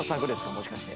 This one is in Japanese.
もしかして。